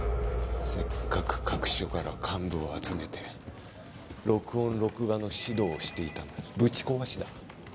せっかく各署から幹部を集めて録音・録画の指導をしていたのにぶち壊しだ。